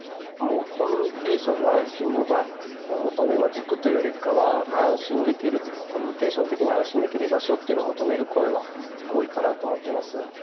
コミュニケーションの安心の場を求める塾というよりかは、安心できるコミュニケーション的に安心できる場を求める声が大きいかなと思います。